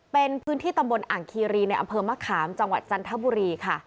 เป็นพื้นที่ตำบลอ่างคีรีในอำเภอมะขามจังหวัดจันทบุรีค่ะ